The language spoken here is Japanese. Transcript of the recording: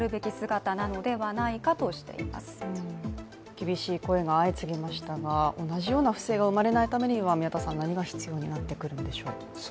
厳しい声が相次ぎましたが同じような不正が生まれないようにするためには何が必要になってくるんでしょうか。